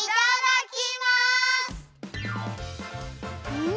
うん！